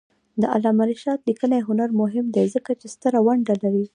د علامه رشاد لیکنی هنر مهم دی ځکه چې ستره ونډه لري.